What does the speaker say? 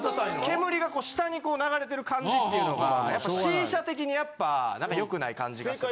煙が下にこう流れてる感じっていうのがシーシャ的にやっぱ良くない感じがする。